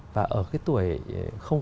và ở cái tuổi không